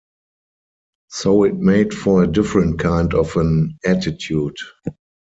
So it made for a different kind of an attitude.